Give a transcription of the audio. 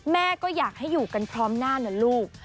แม่ก็อยากให้อยู่กันพร้อมหน้านะลูก